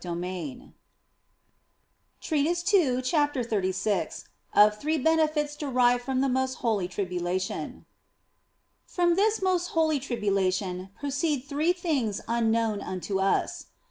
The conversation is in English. OF FOLIGNO 141 CHAPTER XXXVI OF THREE BENEFITS DERIVED FROM THE MOST HOLY TRIBULATION FROM this most holy tribulation proceed three things unknown unto us.